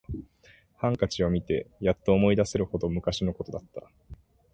ハンカチを見てやっと思い出せるほど昔のことだった